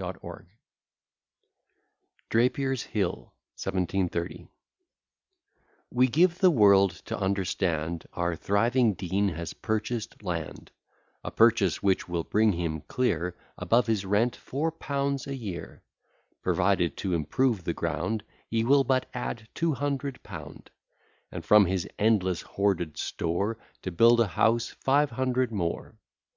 W. E. B.] DRAPIER'S HILL. 1730 We give the world to understand, Our thriving Dean has purchased land; A purchase which will bring him clear Above his rent four pounds a year; Provided to improve the ground, He will but add two hundred pound; And from his endless hoarded store, To build a house, five hundred more.